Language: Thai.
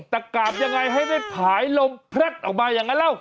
แต่กราบยังไงให้ได้ผายลมแพล็ดออกมาอย่างนั้นแล้ว